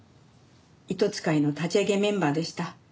「糸使い」の立ち上げメンバーでした。